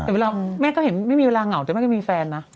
แต่เวลาแม่ก็เห็นไม่มีเวลาเหงาแต่แม่ก็มีแฟนนะ